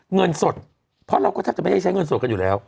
เงินสดเพราะเราก็แทบจะไม่ได้ใช้เงินสดกันอยู่แล้ว